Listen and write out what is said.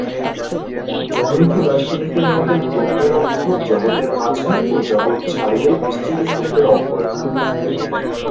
জনৈক দার্শনিকের মতে ব্রহ্মের অর্থ "জগতের মাঝে ও জগৎ ছাড়িয়ে বিস্তৃত সত্যের অব্যয় রূপ"।